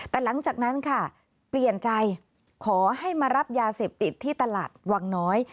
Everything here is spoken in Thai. แต่หลังจากนั้นค่ะเปลี่ยนใจขอให้มารับยาเสพติดที่ตลาดวังน้อย